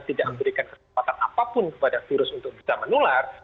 tidak memberikan kesempatan apapun kepada virus untuk bisa menular